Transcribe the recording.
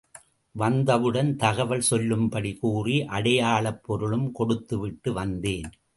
வந்தவுடன் தகவல் சொல்லும்படி, கூறி அடையாளப் பொருளும் கொடுத்துவிட்டு வந்தேன்.